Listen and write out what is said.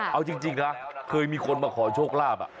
เอาจริงนะเคยมีคนมาขอโชคลาภ